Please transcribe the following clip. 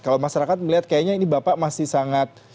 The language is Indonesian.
kalau masyarakat melihat kayaknya ini bapak masih sangat